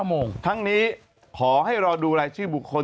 โมงทั้งนี้ขอให้รอดูรายชื่อบุคคล